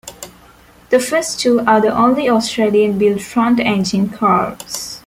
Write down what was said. The first two are the only Australian-built front engine cars.